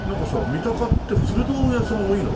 三鷹って古道具屋さん多いの？